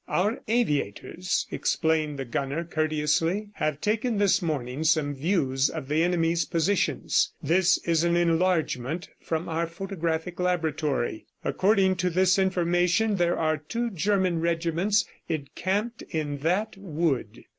"Our aviators," explained the gunner courteously, "have taken this morning some views of the enemy's positions. This is an enlargement from our photographic laboratory. ... According to this information, there are two German regiments encamped in that wood."